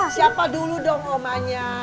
siapa dulu dong omanya